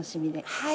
はい。